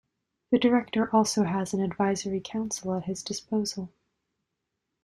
The director also has an advisory council at his disposal.